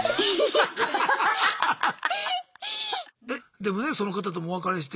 でもねその方ともお別れして。